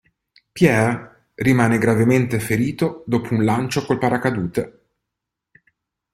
Pierre rimane gravemente ferito dopo un lancio col paracadute.